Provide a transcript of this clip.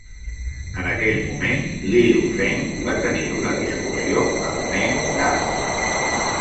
En aquell moment, Liu Feng va tenir una discussió amb Meng Da.